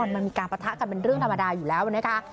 มันมีการปะทะกันเป็นเรื่องธรรมดาอยู่แล้วนะคะ